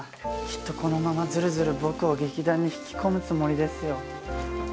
きっとこのままずるずる僕を劇団に引き込むつもりですよ。